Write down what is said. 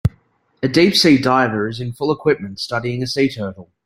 A deepsea diver is in full equipment studying a sea turtle.